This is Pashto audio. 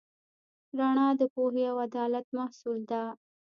رڼا د پوهې او عدالت محصول ده.